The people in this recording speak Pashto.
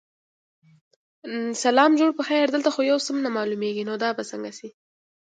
هغه مکروبونه چې په ساده ګۍ درملنه کیږي.